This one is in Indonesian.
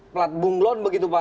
plat bunglon begitu pak